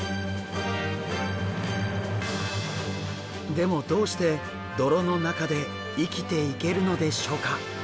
でもどうして泥の中で生きていけるのでしょうか？